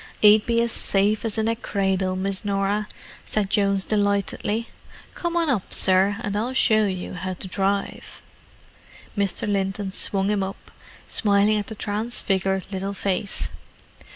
"'E'd be as safe as in a cradle, Miss Norah," said Jones delightedly. "Come on up, sir, and I'll show you 'ow to drive." Mr. Linton swung him up, smiling at the transfigured little face.